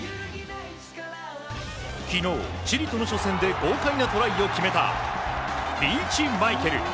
昨日、チリとの初戦で豪快なトライを決めたリーチマイケル。